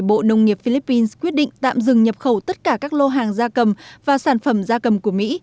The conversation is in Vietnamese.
bộ nông nghiệp philippines quyết định tạm dừng nhập khẩu tất cả các lô hàng da cầm và sản phẩm da cầm của mỹ